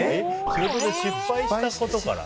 仕事で失敗したことから？